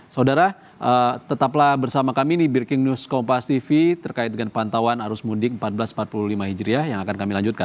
saudara tetaplah bersama kami di breaking news kompas tv terkait dengan pantauan arus mudik seribu empat ratus empat puluh lima hijriah yang akan kami lanjutkan